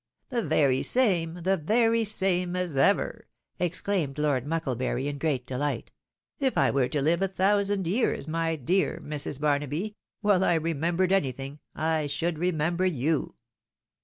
" The very same ! The very same as ever I " exclaimed Lord Mucklebury, in great delight. " If I were to live a thousand years, my dear Mrs. Barnaby, while I remembered anything, I should remember you!"